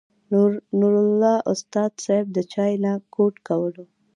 نور الله استاذ صېب د چاے نه ګوټ کولو